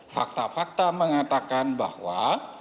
fakta fakta mengatakan bahwa